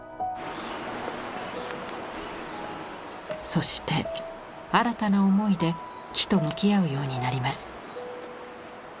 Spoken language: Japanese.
そして新たな思いで木と向き合うようになります。